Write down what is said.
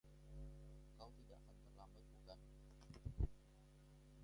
Kau tidak akan terlambat, bukan?